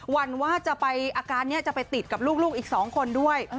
วันว่าจะไปอาการนี้จะไปติดกับลูกอีก๒คนด้วย